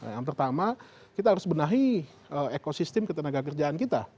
yang pertama kita harus benahi ekosistem ketenaga kerjaan kita